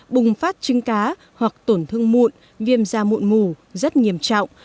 bùng phát chứng cá hoặc tổn thương mụn viêm da mụn mù rất nghiêm trọng